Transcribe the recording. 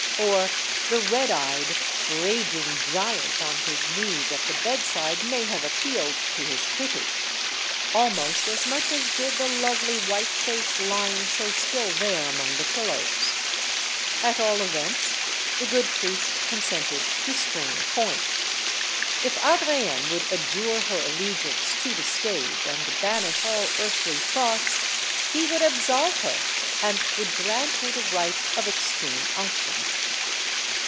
Or the red eyed, raging giant on his knees at the bedside may have appealed to his pity; almost as much as did the lovely white face lying so still there among the pillows. At all events, the good priest consented to strain a point. If Adrienne would adjure her allegiance to the stage 1 and banish all earthly thoughts, he would absolve her and would grant her the rite of Extreme Unction.